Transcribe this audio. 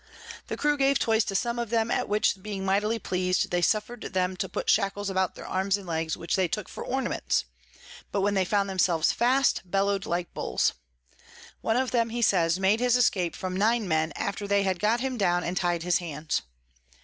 The Crew gave Toys to some of them, at which being mightily pleas'd, they suffer'd them to put Shackles about their Arms and Legs, which they took for Ornaments; but when they found themselves fast, bellow'd like Bulls. One of them, he says, made his Escape from nine Men, after they had got him down and ty'd his hands.